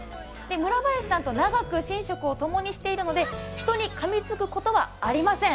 村林さんと長く侵食を共にしているので人にかみつくことはありません。